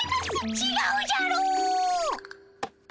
ちがうじゃろー。